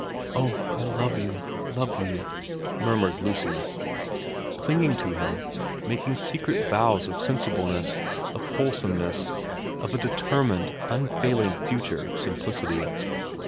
' Oh, I love you, love you ' murmured Lucy, clinging to him, making secret vows of sensibleness, of wholesomeness, of a determined, unfailing future simplicity.